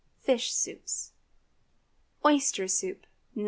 FISH SOUPS. OYSTER SOUP (No.